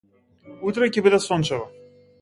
Утре ќе биде сончево.